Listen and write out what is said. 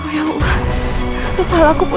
nomor yang ada tujuh sedang tidak aktif atau